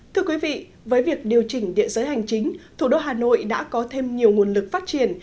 thưa quý vị với việc điều chỉnh địa giới hành chính thủ đô hà nội đã có thêm nhiều nguồn lực phát triển